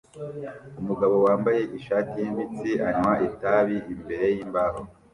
Umugabo wambaye ishati yimitsi anywa itabi imbere yimbaho